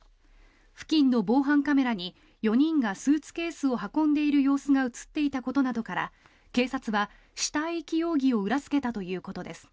付近の防犯カメラに４人がスーツケースを運んでいる様子が映っていたことなどから警察は死体遺棄容疑を裏付けたということです。